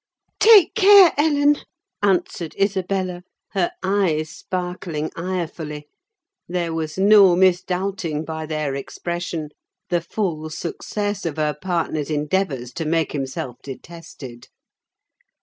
"Take care, Ellen!" answered Isabella, her eyes sparkling irefully; there was no misdoubting by their expression the full success of her partner's endeavours to make himself detested.